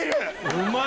うまい。